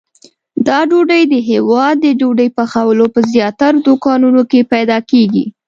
دا ډوډۍ د هیواد د ډوډۍ پخولو په زیاترو دوکانونو کې پیدا کېږي.